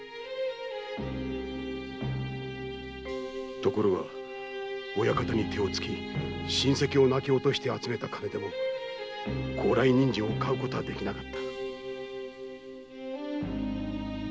ところが親方に手をつき親類を泣き落として集めた金でも高麗人参を買うことはできなかった。